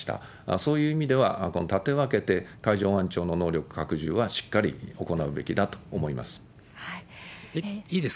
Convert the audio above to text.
そういう意味では、この縦分けて、海上保安庁の能力拡充はしっかり行うべきだと思います。